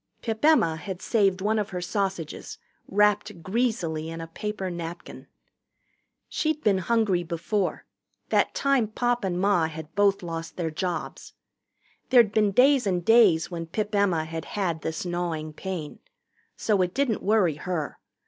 Pip Emma had saved one of her sausages, wrapped greasily in a paper napkin. She'd been hungry before that time Pop and Ma had both lost their jobs. There'd been days and days when Pip Emma had had this gnawing pain. So it didn't worry her.